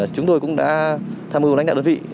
chúng tôi cũng đã tham mưu lãnh đạo đơn vị